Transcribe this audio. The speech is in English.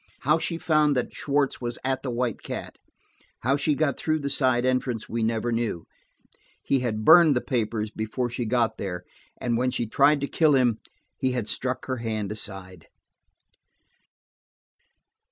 How she found that Schwartz was at the White Cat, how she got through the side entrance, we never knew. He had burned the papers before she got there, and when she tried to kill him, he had struck her hand aside.